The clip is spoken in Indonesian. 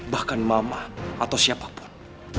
bahkan mama atau siapapun